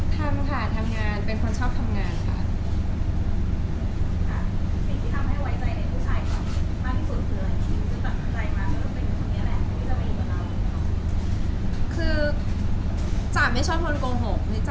แล้วหลังจากนี้จ๋าทำงานอะไรปกติ